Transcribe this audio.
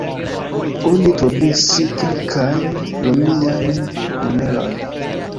Oni trovis kelkajn romiajn monerojn.